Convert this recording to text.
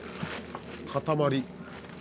塊。